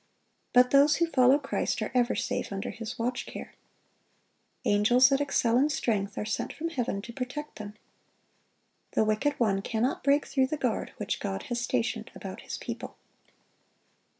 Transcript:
But those who follow Christ are ever safe under His watchcare. Angels that excel in strength are sent from heaven to protect them. The wicked one cannot break through the guard which God has stationed about His people.